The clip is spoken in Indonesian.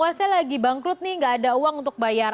wah saya lagi bangkrut nih gak ada uang untuk bayar